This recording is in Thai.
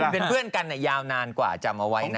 เป็นเพื่อนกันยาวนานกว่าจำเอาไว้นะ